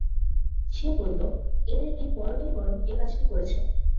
সে বলল, এদের এই বড়টাই বরং এ কাজটি করেছে।